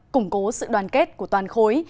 củng cố sự đoàn kết của tổ chức